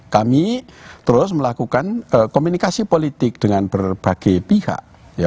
kami terus melakukan komunikasi politik dengan berbagai pihak